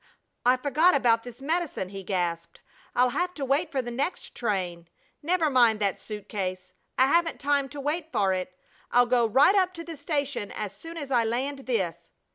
"I forgot about this medicine!" he gasped. "I'll have to wait for the next train! Never mind that suit case. I haven't time to wait for it! I'll go right up to the station as soon as I land this."